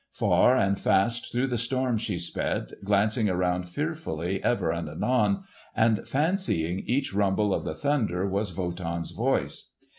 Far and fast through the storm she sped, glancing around fearfully ever and anon, and fancying each rumble of the thunder was Wotan's voice.